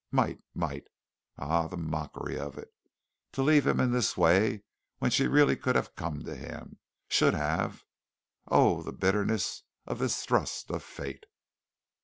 Might! Might! Ah, the mockery of it to leave him in this way when she really could have come to him should have oh, the bitterness of this thrust of fate!